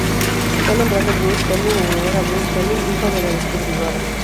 Fue nombrado Bruce Helin en honor a "Bruce Helin" hijo de la descubridora.